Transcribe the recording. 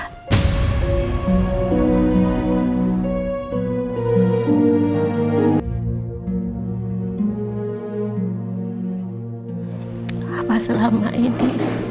lapa selama ini